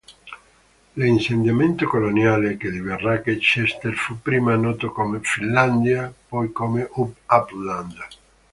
L'insediamento coloniale che diverrà Chester fu prima noto come "Finlandia" poi come "Uppland".